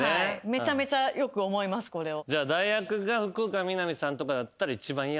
めちゃめちゃよく思いますこれを。